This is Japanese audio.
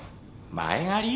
前借り？